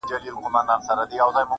خپل پر ټولو فیصلو دستي پښېمان سو،